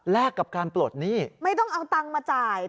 กับการปลดหนี้ไม่ต้องเอาตังค์มาจ่าย